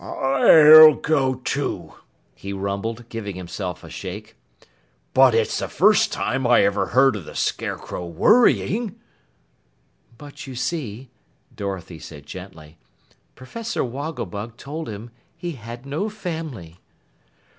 "I'll go too," he rumbled, giving himself a shake. "But it's the first time I ever heard of the Scarecrow worrying." "But you see," Dorothy said gently, "Professor Wogglebug told him he had no family."